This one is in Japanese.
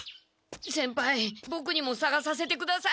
先輩ボクにもさがさせてください。